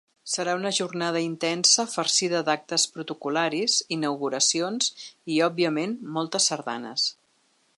Serà una jornada intensa farcida d’actes protocol·laris, inauguracions i, òbviament, moltes sardanes.